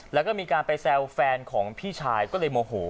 แล้วก็มีการไปแซวแฟนของพี่ชายก็เลยโมโห